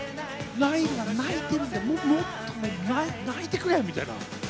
ライルが泣いてるんだ、もっと泣いてくれみたいな。